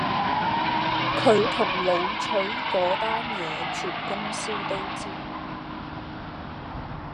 佢同老徐嗰單野全公司都知